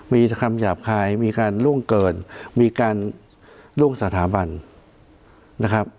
มีคำหยาบคายมีการล่วงเกินมีการล่วงสถาบันนะครับ